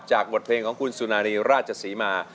จากบทเพลงของคุณสุนานีราชสีมา